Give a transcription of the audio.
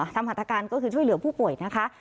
หัตการณ์ก็คือช่วยเหลือผู้ป่วยนะคะ